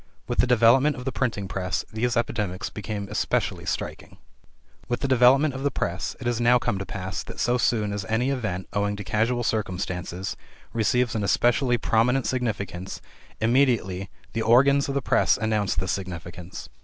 With the development of the printing press, these epidemics became especially striking. With the development of the press, it has now come to pass that so soon as any event, owing to casual circumstances, receives an especially prominent significance, immediately the organs of the press announce this significance.